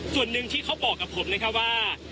ส่วนหนึ่งที่เขาบอกกับผมนะครับว่า